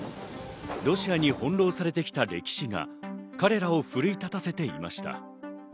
ロシアに翻弄されてきた歴史が彼らを奮い立たせていました。